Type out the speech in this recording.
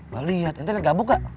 gak liat ente liat gabuk gak